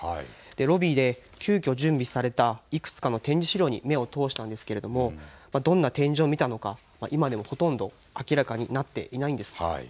ロビーで急きょ準備されたいくつかの展示資料に目を通したんですけれどもどんな展示を見たのか今でもほとんど明らかになっていないんです。